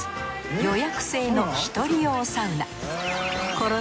予約制の１人用サウナ。